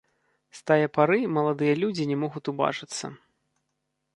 З тае пары маладыя людзі не могуць убачыцца.